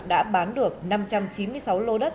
đã bán được năm trăm chín mươi sáu lô đất